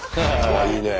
あいいね。